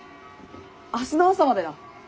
明日の朝までだ。